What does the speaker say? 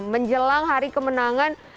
menjelang hari kemenangan